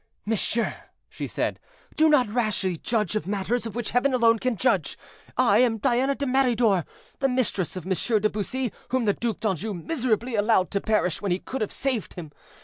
"Monsieur," she said, "do not rashly judge of matters of which Heaven alone can judge. I am Diana de Meridor, the mistress of Monsieur de Bussy, whom the Duc d'Anjou miserably allowed to perish when he could have saved him.